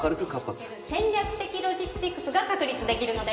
戦略的ロジスティックスが確立出来るのです。